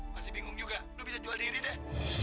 masih bingung juga lo bisa jual diri deh